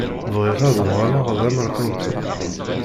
Bɣiɣ ad uɣaleɣ d ameṛkanti.